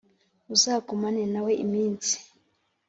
Uzagumane na we iminsi